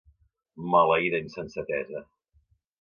Maleïda insensatesa!